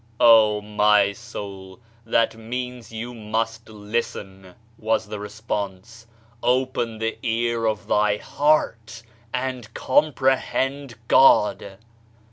"Oh, my soul, that means you must listen !" was the response. "Open the ear of thy heart, and comprehend God